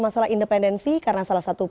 masalah independensi karena salah satu